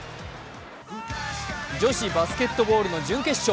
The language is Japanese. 女子バスケットボールの準決勝。